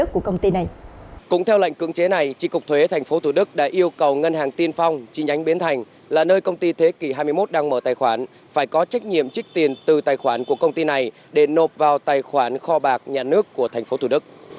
cũng theo lệnh cưỡng chế này tri cục thuế tp thủ đức đã yêu cầu ngân hàng tiên phong chi nhánh bến thành là nơi công ty thế kỷ hai mươi một đang mở tài khoản phải có trách nhiệm trích tiền từ tài khoản của công ty này để nộp vào tài khoản kho bạc nhà nước của tp thủ đức